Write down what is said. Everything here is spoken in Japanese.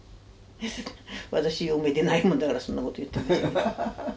私嫁でないもんだからそんなこと言って。